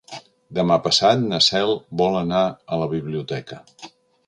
Demà passat na Cel vol anar a la biblioteca.